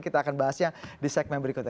kita akan bahasnya di segmen berikutnya